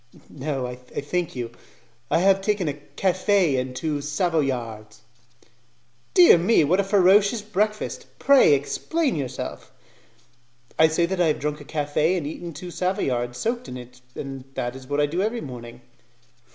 "No, I thank you. I have taken a 'cafe' and two 'Savoyards'." "Dear me! What a ferocious breakfast! Pray, explain yourself." "I say that I have drunk a cafe and eaten two Savoyards soaked in it, and that is what I do every morning."